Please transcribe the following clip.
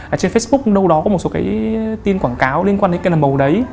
ở trên facebook đâu đó có một số cái tin quảng cáo liên quan đến cái đầm bầu đấy